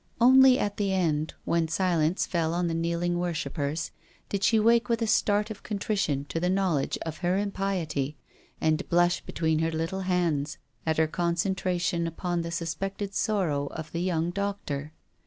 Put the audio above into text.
Only at the end, when silence fell on the kneeling worshippers, did she wake with a start of contrition to the knowledge of her impiety, and blush between her little hands at her con centration upon the suspected sorrow of the young doctor.